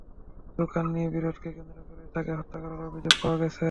দোকান নিয়ে বিরোধকে কেন্দ্র করে তাঁকে হত্যা করার অভিযোগ পাওয়া গেছে।